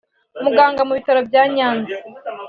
umuganga mu bitaro bya Nyanza